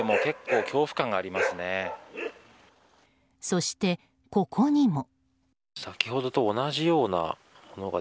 そして、ここにも。